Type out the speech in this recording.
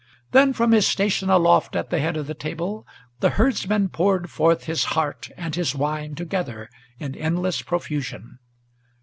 Then from his station aloft, at the head of the table, the herdsman Poured forth his heart and his wine together in endless profusion.